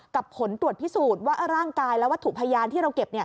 ผลตรวจพิสูจน์ว่าร่างกายและวัตถุพยานที่เราเก็บ